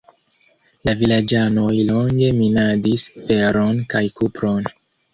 La vilaĝanoj longe minadis feron kaj kupron.